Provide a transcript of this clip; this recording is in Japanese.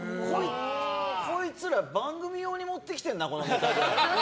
こいつら、番組用に持ってきてんな、みたいな。